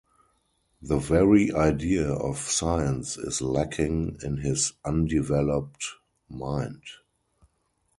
The very idea of science is lacking in his undeveloped mind.